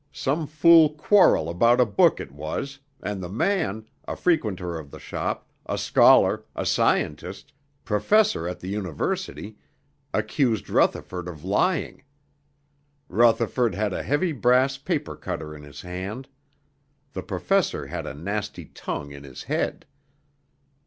Some fool quarrel about a book it was, and the man, a frequenter of the shop, a scholar, a scientist, professor at the university, accused Rutherford of lying. Rutherford had a heavy brass paper cutter in his hand. The professor had a nasty tongue in his head.